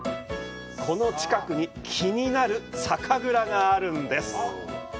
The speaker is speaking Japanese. この近くに気になる酒蔵があるんです。